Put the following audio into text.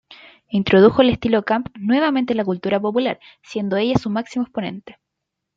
Introdujo el estilo "camp" nuevamente en la cultura popular, siendo ella su máximo exponente.